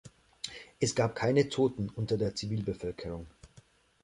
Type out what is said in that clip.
Es gab keine Toten unter der Zivilbevölkerung.